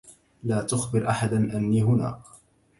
لا تخبر أحدأ أنّي هنا.